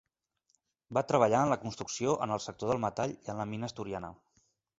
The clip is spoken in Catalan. Va treballar en la construcció, en el sector del metall i en la mina asturiana.